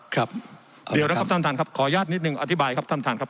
ครับเดี๋ยวนะครับท่านท่านครับขออนุญาตนิดนึงอธิบายครับท่านท่านครับ